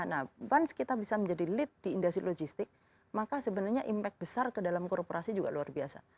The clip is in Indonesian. nah fans kita bisa menjadi lead di industri logistik maka sebenarnya impact besar ke dalam korporasi juga luar biasa